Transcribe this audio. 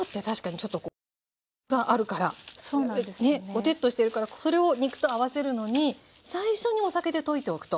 ぼてっとしてるからそれを肉と合わせるのに最初にお酒で溶いておくと。